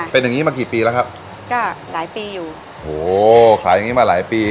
เป็นอย่างงี้มากี่ปีแล้วครับก็หลายปีอยู่โหขายอย่างงี้มาหลายปี